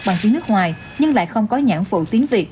bằng tiếng nước ngoài nhưng lại không có nhãn phụ tiếng việt